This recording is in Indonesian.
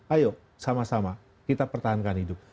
ayo sama sama kita pertahankan hidup